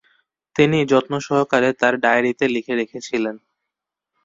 তিনি যত্নসহকারে তার ডায়েরিতে লিখে রেখেছিলেন।